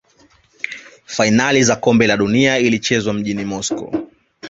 fainali ya kombe la dunia ilichezwa mjini moscow